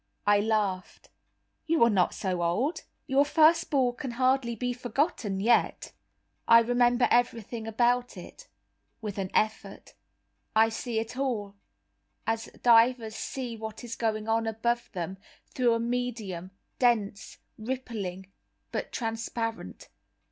I laughed. "You are not so old. Your first ball can hardly be forgotten yet." "I remember everything about it—with an effort. I see it all, as divers see what is going on above them, through a medium, dense, rippling, but transparent.